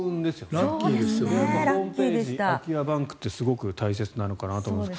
ホームページ空き家バンクってすごく大事なのかなと思います。